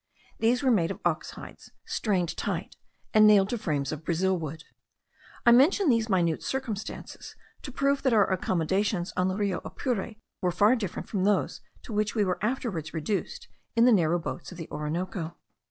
These were made of ox hides, strained tight, and nailed to frames of brazil wood. I mention these minute circumstances, to prove that our accommodations on the Rio Apure were far different from those to which we were afterwards reduced in the narrow boats of the Orinoco.